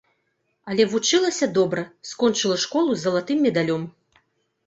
Але вучылася добра, скончыла школу з залатым медалём.